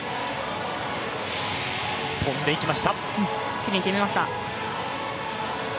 きれいに決めました。